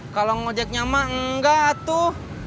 kalau ngojek nyama enggak tuh